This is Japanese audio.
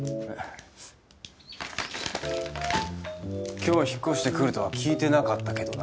今日引っ越してくるとは聞いてなかったけどな。